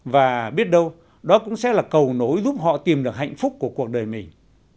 và biết đâu đó cũng sẽ là cầu nối giúp họ tìm được hạnh phúc của cuộc đời mình